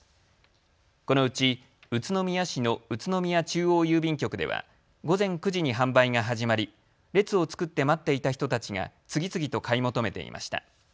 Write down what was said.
このうち宇都宮市の宇都宮中央郵便局では午前９時に販売が始まり列を作って待っていた人たちが次々と買い求めていました。